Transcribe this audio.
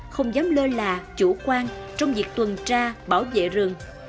không dám lơ là chủ quan trong việc tuần tra bảo vệ rừng